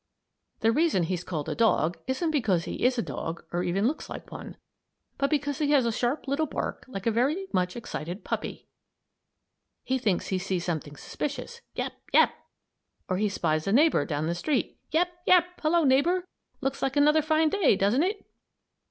The reason he's called a dog isn't because he is a dog or even looks like one, but because he has a sharp little bark like a very much excited puppy. He thinks he sees something suspicious: "Yap! Yap!" Or he spies a neighbor down the street: "Yap! Yap! Hello, neighbor! Looks like another fine day, doesn't it?"